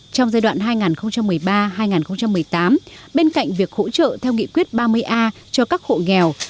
trong giai đoạn hai nghìn một mươi ba hai nghìn một mươi tám bên cạnh việc hỗ trợ theo nghị quyết ba mươi a cho các hộ nghèo